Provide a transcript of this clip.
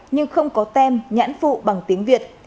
nhưng không có tem nhãn phụ bằng tiếng việt